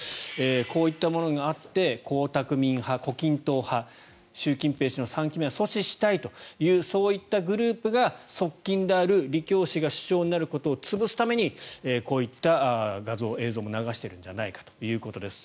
こういったものがあって江沢民派胡錦涛派、習近平氏の３期目は阻止したいというそういったグループが側近であるリ・キョウ氏が首相になることを潰すためにこういった画像、映像を流してるんじゃないかということです。